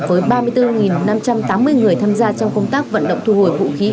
với ba mươi bốn năm trăm tám mươi người tham gia trong công tác vận động thu hồi vũ khí